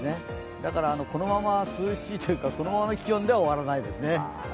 だからこのまま涼しいというか、このままの気温では終わらないですね。